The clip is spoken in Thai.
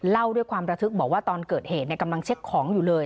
เล่าด้วยความระทึกบอกว่าตอนเกิดเหตุกำลังเช็คของอยู่เลย